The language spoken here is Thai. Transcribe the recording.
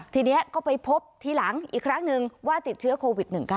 ทีนี้ก็ไปพบทีหลังอีกครั้งนึงว่าติดเชื้อโควิด๑๙